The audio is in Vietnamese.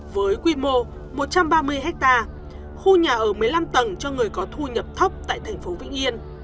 với quy mô một trăm ba mươi ha khu nhà ở một mươi năm tầng cho người có thu nhập thấp tại thành phố vĩnh yên